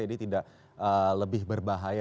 ini tidak lebih berbahaya